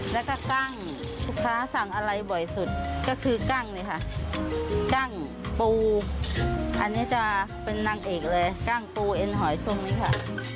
แล้วก็กั้งลูกค้าสั่งอะไรบ่อยสุดก็คือกั้งเลยค่ะกั้งปูอันนี้จะเป็นนางเอกเลยกั้งปูเอ็นหอยตรงนี้ค่ะ